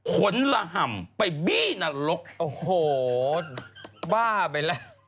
ขนระห่ำไปบี้นรกโอ้โหบ้าไปแล้ว